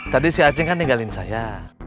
tadi si aceh kan tinggalin saya